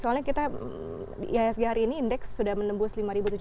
soalnya kita ihsg hari ini indeks sudah menembus lima tujuh ratus